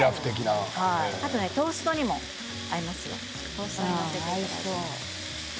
トーストにも合います。